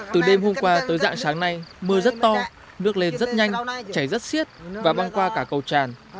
từ đêm hôm qua tới dạng sáng nay mưa rất to nước lên rất nhanh chảy rất xiết và băng qua cả cầu tràn